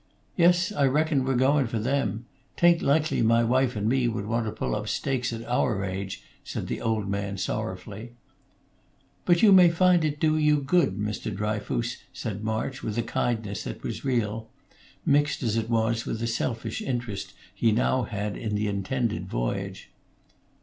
"Yes. I reckon we're goin' for them. 'Tain't likely my wife and me would want to pull up stakes at our age," said the old man, sorrowfully. "But you may find it do you good, Mr. Dryfoos," said March, with a kindness that was real, mixed as it was with the selfish interest he now had in the intended voyage.